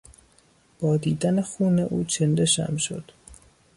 با دیدن خون او چندشم شد.